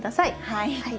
はい。